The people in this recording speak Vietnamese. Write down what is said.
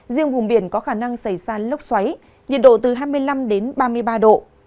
riêng vùng biển có khả năng xảy ra lốc xoáy nhiệt độ từ hai mươi năm đến ba mươi ba độ